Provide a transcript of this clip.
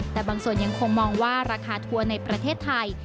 แต่บางส่วนยังคงมองว่าราคาทัวร์ในประเทศไทย